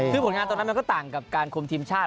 คือผลงานตอนนั้นมันก็ต่างกับการคุมทีมชาติ